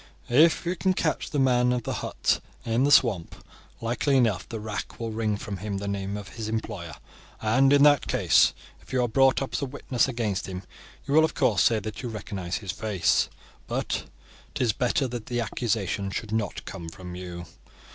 If we can catch the man of the hut in the swamp, likely enough the rack will wring from him the name of his employer, and in that case, if you are brought up as a witness against him you will of course say that you recognize his face; but 'tis better that the accusation should not come from you.